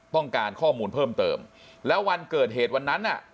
ต้องการข้อมูลเพิ่มเติมแล้ววันเกิดเหตุวันนั้นน่ะ